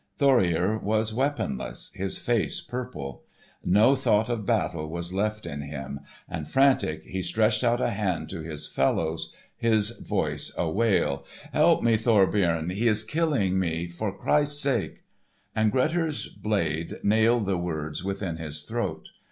Thorir was weaponless, his face purple. No thought of battle was left in him, and frantic, he stretched out a hand to his fellows, his voice a wail: "Help me, Thorbjorn. He is killing me. For Christ's sake——" And Grettir's blade nailed the words within his throat.